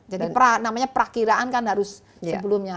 jadi namanya prakiraan kan harus sebelumnya